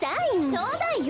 ちょうだいよ。